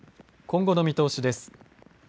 今後の見通しです。